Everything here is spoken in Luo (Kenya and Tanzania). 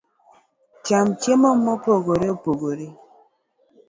Cham chiemo ma opogore opogore